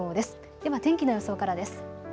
では天気の予想からです。